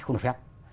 không được phép